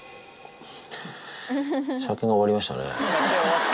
車検が終わりましたね。